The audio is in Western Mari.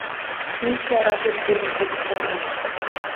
Пиш яратем тӹньӹм получаяш